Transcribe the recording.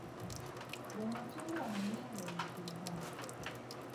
Wanyaturu wana Mila na Desturi zao